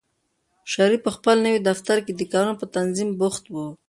شریف په خپل نوي دفتر کې د کارونو په تنظیم بوخت و.